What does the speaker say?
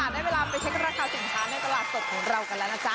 ได้เวลาไปเช็คราคาสินค้าในตลาดสดของเรากันแล้วนะจ๊